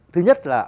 thứ nhất là